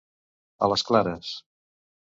A les clares.